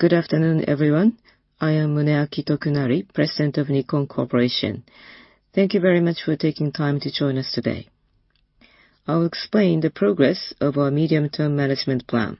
Good afternoon, everyone. I am Muneaki Tokunari, President of Nikon Corporation. Thank you very much for taking time to join us today. I will explain the progress of our Medium-Term Management Plan.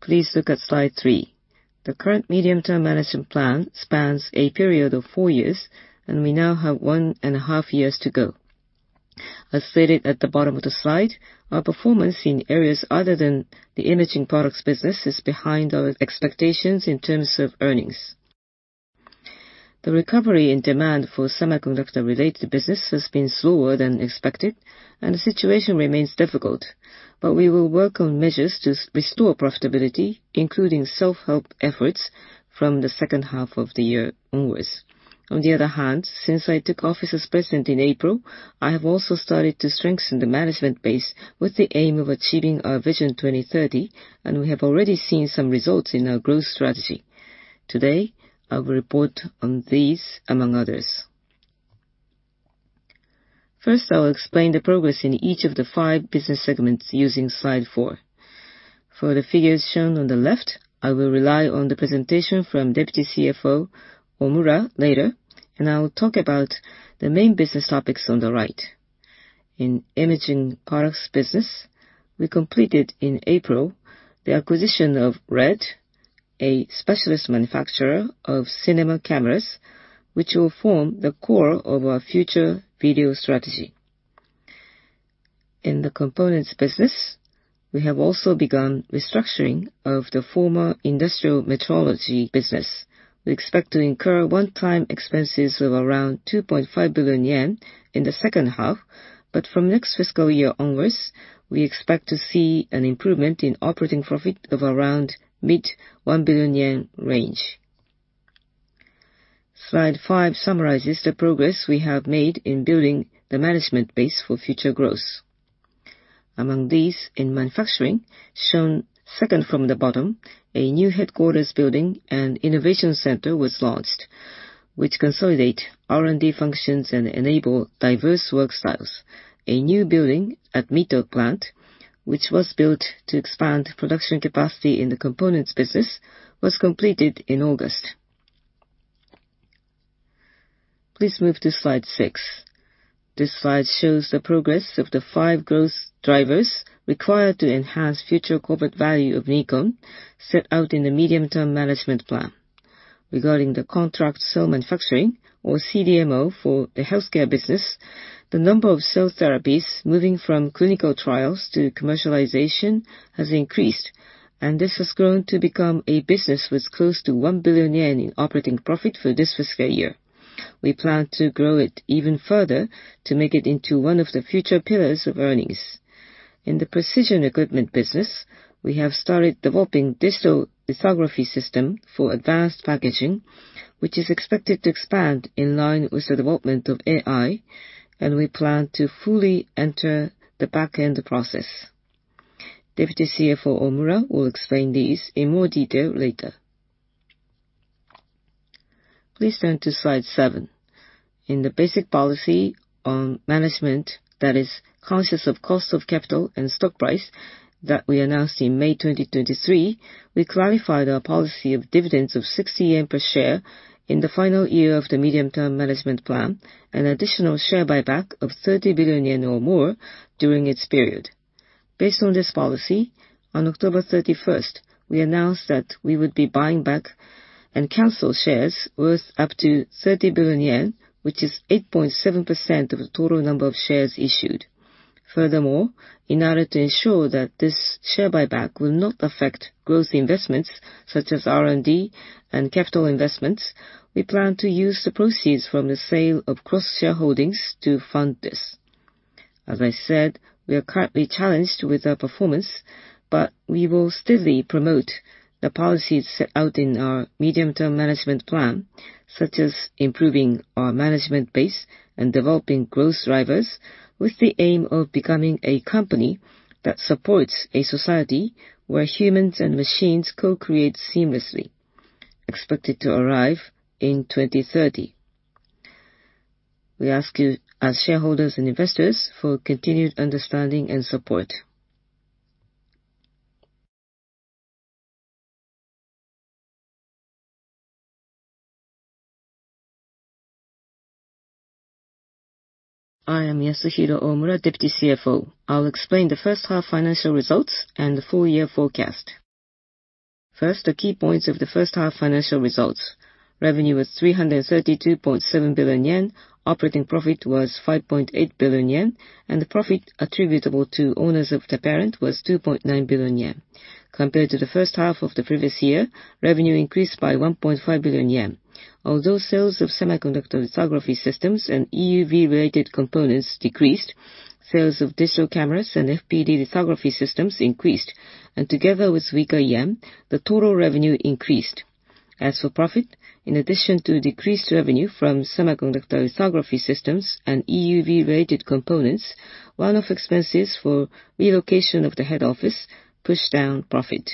Please look at slide three. The current Medium-Term Management Plan spans a period of four years, and we now have one and a half years to go. As stated at the bottom of the slide, our performance in areas other than the imaging products business is behind our expectations in terms of earnings. The recovery in demand for semiconductor-related business has been slower than expected, and the situation remains difficult, but we will work on measures to restore profitability, including self-help efforts from the H2 of the year onwards. On the other hand, since I took office as President in April, I have also started to strengthen the management base with the aim of achieving our Vision 2030, and we have already seen some results in our growth strategy. Today, I will report on these, among others. First, I will explain the progress in each of the five business segments using slide four. For the figures shown on the left, I will rely on the presentation from Deputy CFO Omura later, and I will talk about the main business topics on the right. In imaging products business, we completed in April the acquisition of RED, a specialist manufacturer of cinema cameras, which will form the core of our future video strategy. In the components business, we have also begun restructuring of the former industrial metrology business. We expect to incur one-time expenses of around 2.5 billion yen in the H2, but from next fiscal year onwards, we expect to see an improvement in operating profit of around mid- 1 billion yen range. Slide five summarizes the progress we have made in building the management base for future growth. Among these, in manufacturing, shown second from the bottom, a new headquarters building and innovation center was launched, which consolidate R&D functions and enable diverse work styles. A new building at Mito Plant, which was built to expand production capacity in the components business, was completed in August. Please move to slide six. This slide shows the progress of the five growth drivers required to enhance future corporate value of Nikon set out in the medium-term management plan. Regarding the contract cell manufacturing, or CDMO, for the healthcare business, the number of cell therapies moving from clinical trials to commercialization has increased, and this has grown to become a business with close to 1 billion yen in operating profit for this fiscal year. We plan to grow it even further to make it into one of the future pillars of earnings. In the precision equipment business, we have started developing a digital lithography system for advanced packaging, which is expected to expand in line with the development of AI, and we plan to fully enter the back-end process. Deputy CFO Omura will explain these in more detail later. Please turn to slide seven. In the basic policy on management that is conscious of cost of capital and stock price that we announced in May 2023, we clarified our policy of dividends of 60 yen per share in the final year of the medium-term management plan, and additional share buyback of 30 billion yen or more during its period. Based on this policy, on October 31st, we announced that we would be buying back and cancel shares worth up to 30 billion yen, which is 8.7% of the total number of shares issued. Furthermore, in order to ensure that this share buyback will not affect growth investments such as R&D and capital investments, we plan to use the proceeds from the sale of cross-shareholdings to fund this. As I said, we are currently challenged with our performance, but we will steadily promote the policies set out in our medium-term management plan, such as improving our management base and developing growth drivers, with the aim of becoming a company that supports a society where humans and machines co-create seamlessly, expected to arrive in 2030. We ask you, as shareholders and investors, for continued understanding and support. I am Yasuhiro Omura, Deputy CFO. I will explain the H1 financial results and the full-year forecast. First, the key points of the H1 financial results. Revenue was 332.7 billion yen, operating profit was 5.8 billion yen, and the profit attributable to owners of the parent was 2.9 billion yen. Compared to the H1 of the previous year, revenue increased by 1.5 billion yen. Although sales of semiconductor lithography systems and EUV-related components decreased, sales of digital cameras and FPD lithography systems increased, and together with weaker yen, the total revenue increased. As for profit, in addition to decreased revenue from semiconductor lithography systems and EUV-related components, one-off expenses for relocation of the head office pushed down profit.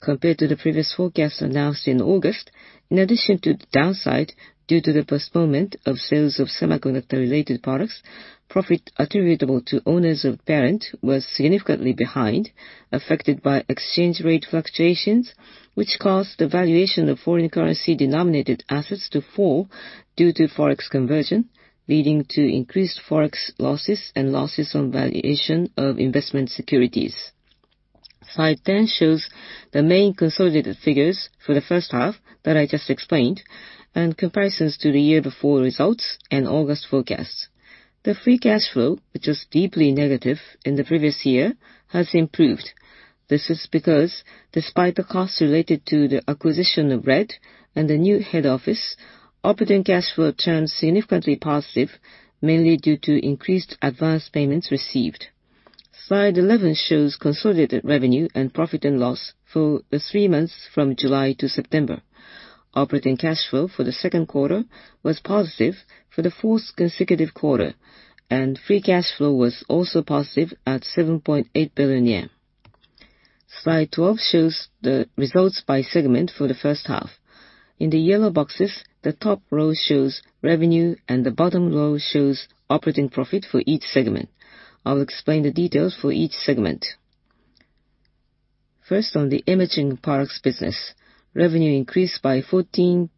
Compared to the previous forecast announced in August, in addition to the downside due to the postponement of sales of semiconductor-related products, profit attributable to owners of the parent was significantly behind, affected by exchange rate fluctuations, which caused the valuation of foreign currency-denominated assets to fall due to Forex conversion, leading to increased Forex losses and losses on valuation of investment securities. Slide 10 shows the main consolidated figures for the H1 that I just explained, and comparisons to the year-before results and August forecast. The free cash flow, which was deeply negative in the previous year, has improved. This is because, despite the costs related to the acquisition of RED and the new head office, operating cash flow turned significantly positive, mainly due to increased advance payments received. Slide 11 shows consolidated revenue and profit and loss for the three months from July to September. Operating cash flow for the Q2 was positive for the fourth consecutive quarter, and free cash flow was also positive at 7.8 billion yen. Slide 12 shows the results by segment for the H1. In the yellow boxes, the top row shows revenue, and the bottom row shows operating profit for each segment. I will explain the details for each segment. First, on the imaging products business, revenue increased by 14.1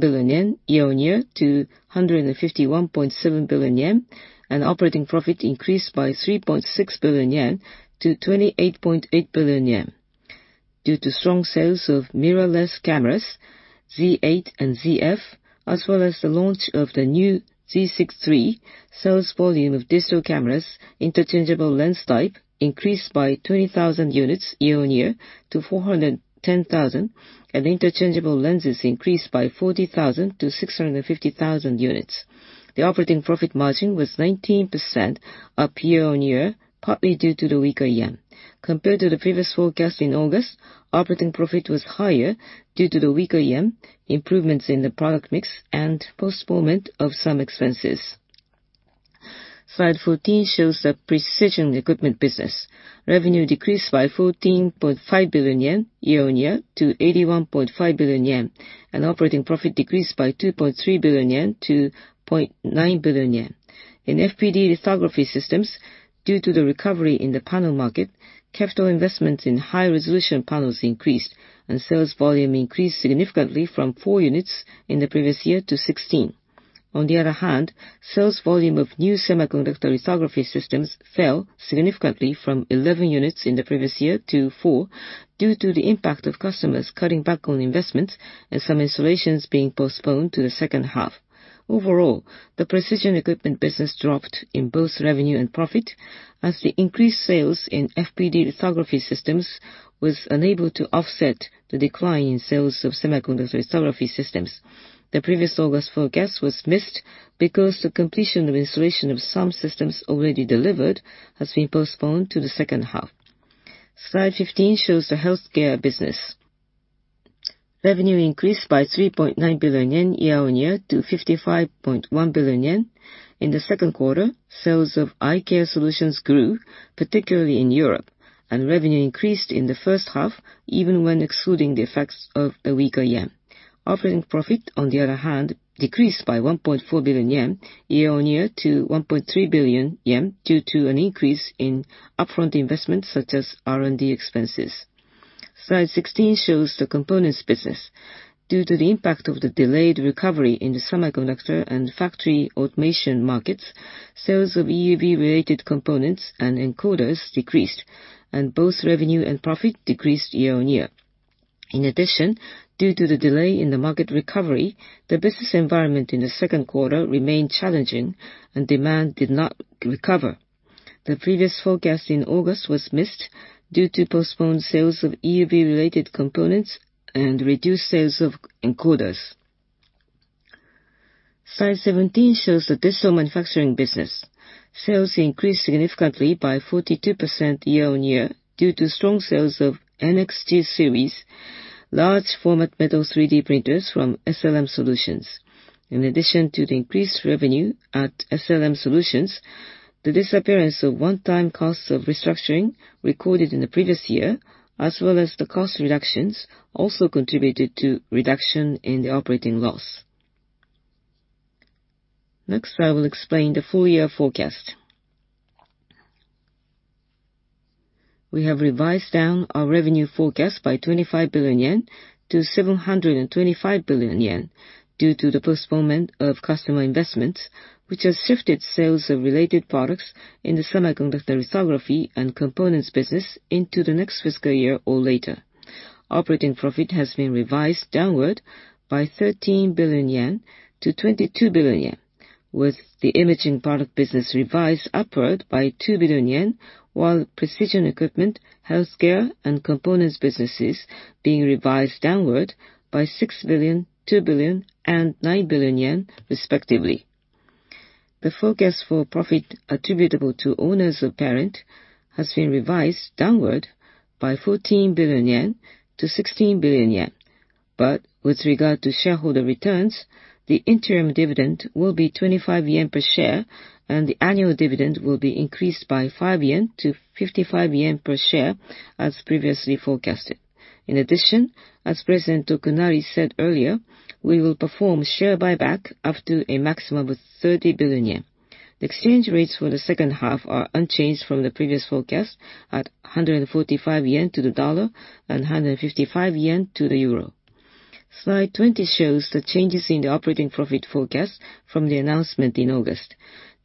billion yen year-on-year to 151.7 billion yen, and operating profit increased by 3.6 billion yen to 28.8 billion yen. Due to strong sales of mirrorless cameras, Z8 and Zf, as well as the launch of the new Z6III, sales volume of digital cameras, interchangeable lens type, increased by 20,000 units year-on-year to 410,000, and interchangeable lenses increased by 40,000 to 650,000 units. The operating profit margin was 19% up year-on-year, partly due to the weaker yen. Compared to the previous forecast in August, operating profit was higher due to the weaker yen, improvements in the product mix, and postponement of some expenses. Slide 14 shows the precision equipment business. Revenue decreased by 14.5 billion yen year-on-year to 81.5 billion yen, and operating profit decreased by 2.3 billion yen to 0.9 billion yen. In FPD lithography systems, due to the recovery in the panel market, capital investments in high-resolution panels increased, and sales volume increased significantly from four units in the previous year to 16. On the other hand, sales volume of new semiconductor lithography systems fell significantly from 11 units in the previous year to four due to the impact of customers cutting back on investment and some installations being postponed to the H2. Overall, the precision equipment business dropped in both revenue and profit, as the increased sales in FPD lithography systems was unable to offset the decline in sales of semiconductor lithography systems. The previous August forecast was missed because the completion of installation of some systems already delivered has been postponed to the H2. Slide 15 shows the healthcare business. Revenue increased by 3.9 billion yen year-on-year to 55.1 billion yen. In the Q2, sales of Eye Care Solutions grew, particularly in Europe, and revenue increased in the H1 even when excluding the effects of the weaker yen. Operating profit, on the other hand, decreased by 1.4 billion yen year-on-year to 1.3 billion yen due to an increase in upfront investment such as R&D expenses. Slide 16 shows the components business. Due to the impact of the delayed recovery in the semiconductor and factory automation markets, sales of EUV-related components and encoders decreased, and both revenue and profit decreased year-on-year. In addition, due to the delay in the market recovery, the business environment in the Q2 remained challenging, and demand did not recover. The previous forecast in August was missed due to postponed sales of EUV-related components and reduced sales of encoders. Slide 17 shows the digital manufacturing business. Sales increased significantly by 42% year-on-year due to strong sales of NXG Series, large-format metal 3D printers from SLM Solutions. In addition to the increased revenue at SLM Solutions, the disappearance of one-time costs of restructuring recorded in the previous year, as well as the cost reductions, also contributed to reduction in the operating loss. Next, I will explain the four-year forecast. We have revised down our revenue forecast by 25 billion yen to 725 billion yen due to the postponement of customer investments, which has shifted sales of related products in the semiconductor lithography and components business into the next fiscal year or later. Operating profit has been revised downward by 13 billion yen to 22 billion yen, with the imaging product business revised upward by 2 billion yen, while precision equipment, healthcare, and components businesses being revised downward by 6 billion, 2 billion, and 9 billion yen, respectively. The forecast for profit attributable to owners of parent has been revised downward by 14 billion yen to 16 billion yen, but with regard to shareholder returns, the interim dividend will be 25 yen per share, and the annual dividend will be increased by 5 yen to 55 yen per share, as previously forecasted. In addition, as President Tokunari said earlier, we will perform share buyback up to a maximum of 30 billion yen. The exchange rates for the H2 are unchanged from the previous forecast at 145 yen to the USD and JPY 155 to the EUR. Slide 20 shows the changes in the operating profit forecast from the announcement in August.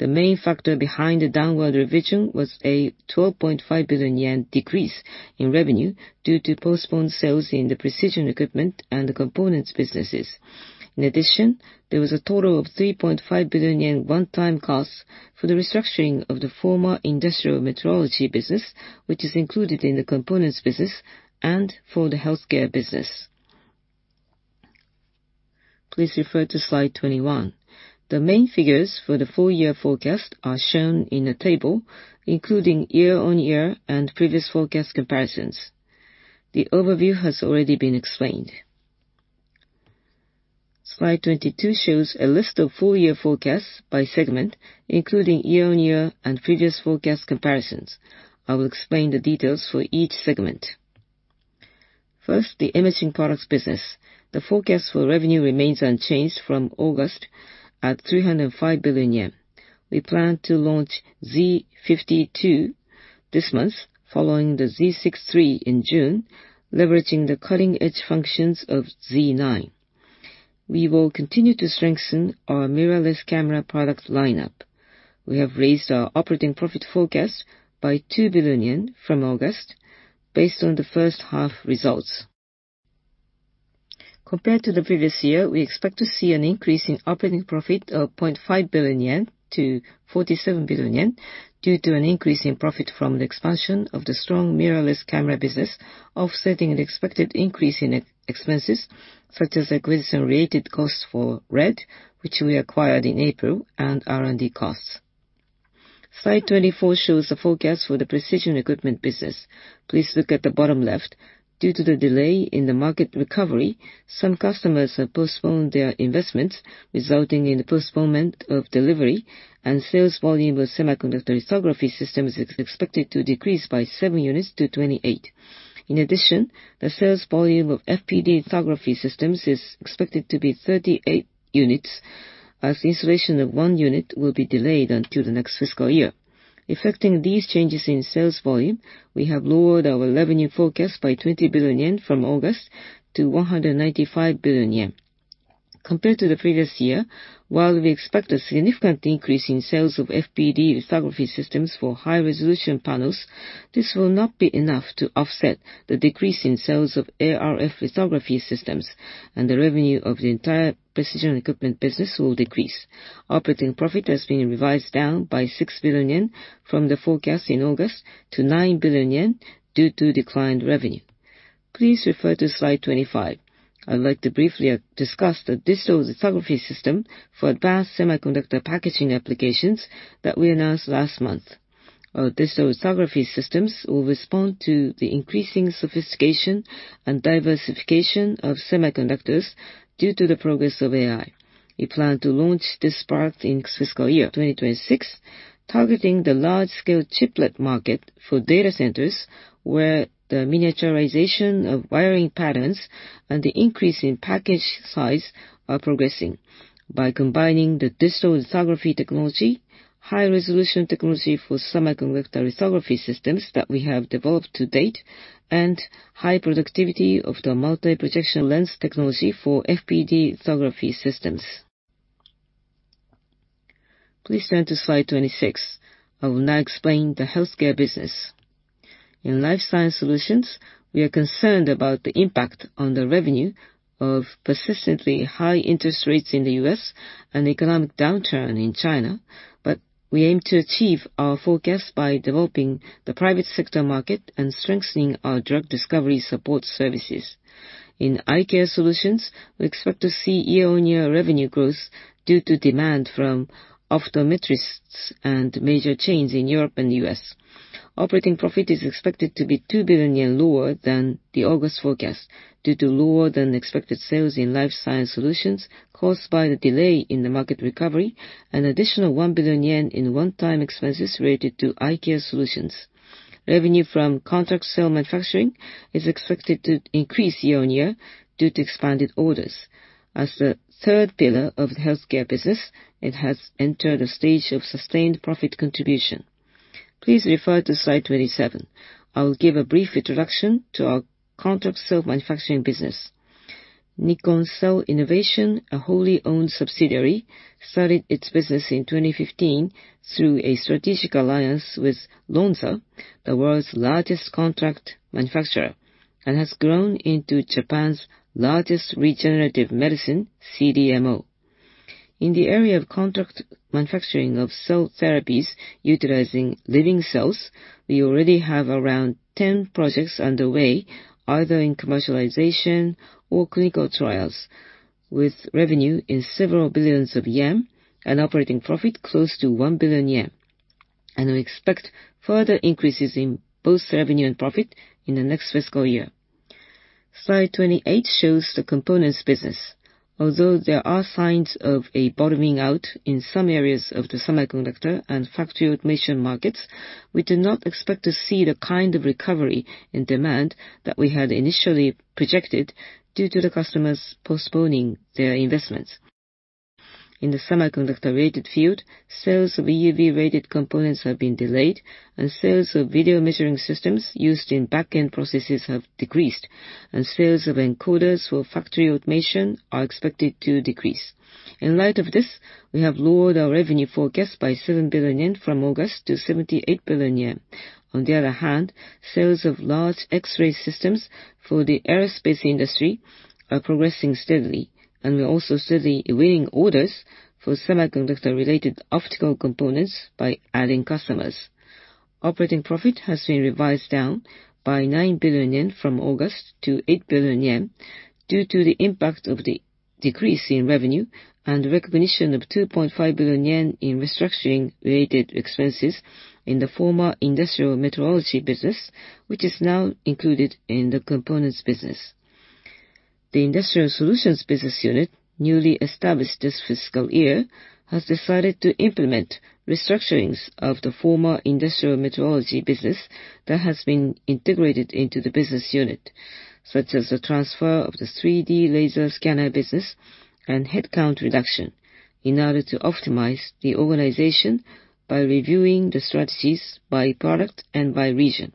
The main factor behind the downward revision was a 12.5 billion yen decrease in revenue due to postponed sales in the precision equipment and the components businesses. In addition, there was a total of 3.5 billion yen one-time costs for the restructuring of the former industrial metrology business, which is included in the components business, and for the healthcare business. Please refer to slide 21. The main figures for the four-year forecast are shown in a table, including year-on-year and previous forecast comparisons. The overview has already been explained. Slide 22 shows a list of four-year forecasts by segment, including year-on-year and previous forecast comparisons. I will explain the details for each segment. First, the imaging products business. The forecast for revenue remains unchanged from August at 305 billion yen. We plan to launch Z50II this month, following the Z6-3 in June, leveraging the cutting-edge functions of Z9. We will continue to strengthen our mirrorless camera product lineup. We have raised our operating profit forecast by 2 billion yen from August, based on the H1 results. Compared to the previous year, we expect to see an increase in operating profit of 0.5 billion yen to 47 billion yen due to an increase in profit from the expansion of the strong mirrorless camera business, offsetting the expected increase in expenses such as acquisition-related costs for RED, which we acquired in April, and R&D costs. Slide 24 shows the forecast for the precision equipment business. Please look at the bottom left. Due to the delay in the market recovery, some customers have postponed their investments, resulting in the postponement of delivery, and sales volume of semiconductor lithography systems is expected to decrease by 7 units to 28. In addition, the sales volume of FPD lithography systems is expected to be 38 units, as the installation of one unit will be delayed until the next fiscal year. Affecting these changes in sales volume, we have lowered our revenue forecast by 20 billion yen from August to 195 billion yen. Compared to the previous year, while we expect a significant increase in sales of FPD lithography systems for high-resolution panels, this will not be enough to offset the decrease in sales of ArF lithography systems, and the revenue of the entire precision equipment business will decrease. Operating profit has been revised down by 6 billion yen from the forecast in August to 9 billion yen due to declined revenue. Please refer to slide 25. I would like to briefly discuss the digital lithography system for advanced semiconductor packaging applications that we announced last month. Our digital lithography systems will respond to the increasing sophistication and diversification of semiconductors due to the progress of AI. We plan to launch this product in fiscal year 2026, targeting the large-scale chiplet market for data centers, where the miniaturization of wiring patterns and the increase in package size are progressing. By combining the digital lithography technology, high-resolution technology for semiconductor lithography systems that we have developed to date, and high productivity of the multi-projection lens technology for FPD lithography systems. Please turn to slide 26. I will now explain the healthcare business. In Life Science Solutions, we are concerned about the impact on the revenue of persistently high interest rates in the U.S. and economic downturn in China, but we aim to achieve our forecast by developing the private sector market and strengthening our drug discovery support services. In Eye Care Solutions, we expect to see year-on-year revenue growth due to demand from optometrists and major change in Europe and the U.S. Operating profit is expected to be 2 billion yen lower than the August forecast due to lower-than-expected sales in Life Science Solutions caused by the delay in the market recovery and additional one billion in one-time expenses related to Eye Care Solutions. Revenue from contract cell manufacturing is expected to increase year-on-year due to expanded orders. As the third pillar of the healthcare business, it has entered a stage of sustained profit contribution. Please refer to slide 27. I will give a brief introduction to our contract-scale manufacturing business. Nikon Cell Innovation, a wholly owned subsidiary, started its business in 2015 through a strategic alliance with Lonza, the world's largest contract manufacturer, and has grown into Japan's largest regenerative medicine CDMO. In the area of contract manufacturing of cell therapies utilizing living cells, we already have around 10 projects underway, either in commercialization or clinical trials, with revenue in several billion Yen and operating profit close to 1 billion yen, and we expect further increases in both revenue and profit in the next fiscal year. Slide 28 shows the components business. Although there are signs of a bottoming out in some areas of the semiconductor and factory automation markets, we do not expect to see the kind of recovery in demand that we had initially projected due to the customers postponing their investments. In the semiconductor-related field, sales of EUV-related components have been delayed, and sales of video measuring systems used in back-end processes have decreased, and sales of encoders for factory automation are expected to decrease. In light of this, we have lowered our revenue forecast by 7 billion yen from August to 78 billion yen. On the other hand, sales of large X-ray systems for the aerospace industry are progressing steadily, and we are also steadily winning orders for semiconductor-related optical components by adding customers. Operating profit has been revised down by 9 billion yen from August to 8 billion yen due to the impact of the decrease in revenue and the recognition of 2.5 billion yen in restructuring-related expenses in the former industrial metrology business, which is now included in the components business. The industrial solutions business unit, newly established this fiscal year, has decided to implement restructurings of the former industrial metrology business that has been integrated into the business unit, such as the transfer of the 3D laser scanner business and headcount reduction, in order to optimize the organization by reviewing the strategies by product and by region.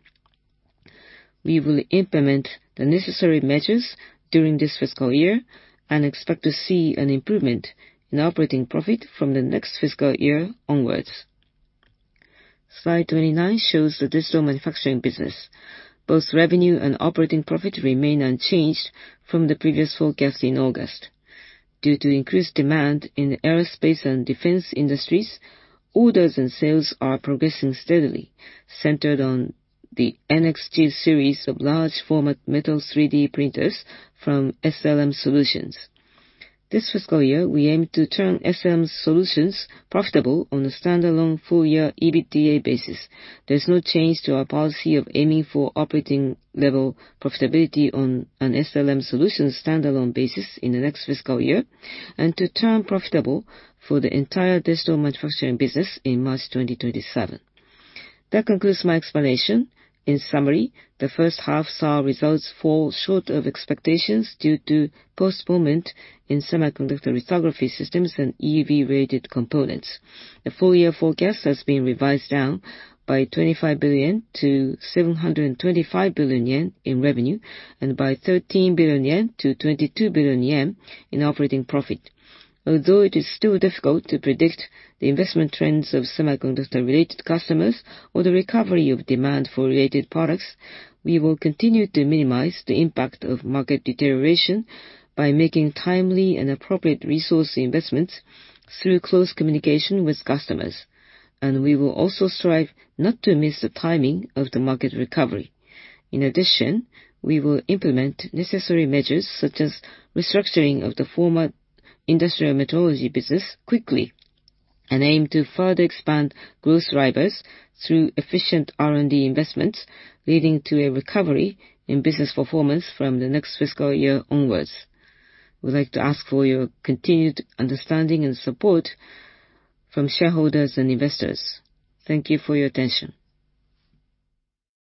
We will implement the necessary measures during this fiscal year and expect to see an improvement in operating profit from the next fiscal year onwards. Slide 29 shows the digital manufacturing business. Both revenue and operating profit remain unchanged from the previous forecast in August. Due to increased demand in the aerospace and defense industries, orders and sales are progressing steadily, centered on the NXG Series of large-format metal 3D printers from SLM Solutions. This fiscal year, we aim to turn SLM Solutions profitable on a standalone four-year EBITDA basis. There is no change to our policy of aiming for operating-level profitability on an SLM Solutions standalone basis in the next fiscal year and to turn profitable for the entire digital manufacturing business in March 2027. That concludes my explanation. In summary, the H1 saw results fall short of expectations due to postponement in semiconductor lithography systems and EUV-related components. The four-year forecast has been revised down by 25 billion to 725 billion yen in revenue and by 13 billion yen to 22 billion yen in operating profit. Although it is still difficult to predict the investment trends of semiconductor-related customers or the recovery of demand for related products, we will continue to minimize the impact of market deterioration by making timely and appropriate resource investments through close communication with customers, and we will also strive not to miss the timing of the market recovery. In addition, we will implement necessary measures such as restructuring of the former industrial metrology business quickly and aim to further expand growth drivers through efficient R&D investments, leading to a recovery in business performance from the next fiscal year onwards. We'd like to ask for your continued understanding and support from shareholders and investors. Thank you for your attention.